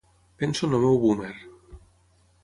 Penso en el meu boomer.